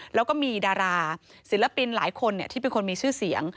แล้วก็มีดาราศิลปินหลายคนที่เป็นคนมีชื่อเสียง